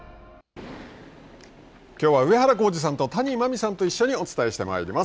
きょうは上原浩治さんと谷真海さんと一緒にお伝えしてまいります。